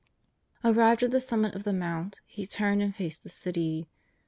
Arrived at the summit of the Mount, He turned and faced the City.